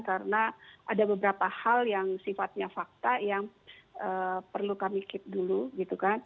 karena ada beberapa hal yang sifatnya fakta yang perlu kami keep dulu gitu kan